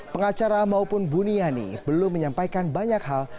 pengacara maupun buniani belum menyampaikan banyak hal